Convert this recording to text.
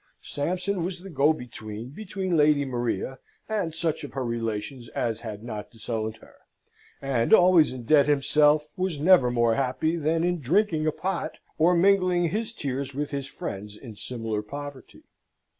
Sampson was the go between between Lady Maria and such of her relations as had not disowned her; and, always in debt himself, was never more happy than in drinking a pot, or mingling his tears with his friends in similar poverty.